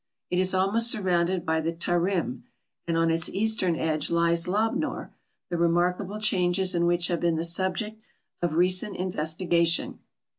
It is almost surrounded by the Tarim, and on its eastern edge lies Lob nor, the remarkable changes in which have been the subject of recent investigation.